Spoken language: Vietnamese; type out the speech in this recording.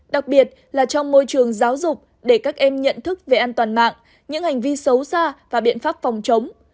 đặc biệt là trong môi trường giáo dục để các em nhận thức về an toàn mạng những hành vi xấu xa và biện pháp phòng chống